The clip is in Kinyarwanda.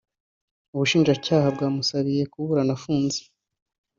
ubushinjacyaha bwamusabiye kuburana afunze